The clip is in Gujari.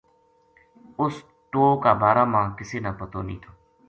اُس ٹوہ کا بارہ ما کسے نا پتو نیہہ تھو